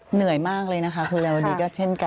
เหนื่อยมากเลยนะคะคุณแล้ววันนี้ก็เช่นกัน